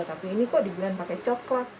tapi ini kok dibilang pakai coklat